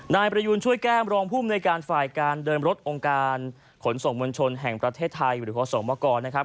นายประยูนช่วยแก้มรองภูมิในการฝ่ายการเดินรถองค์การขนส่งมวลชนแห่งประเทศไทยหรือขอสมกรนะครับ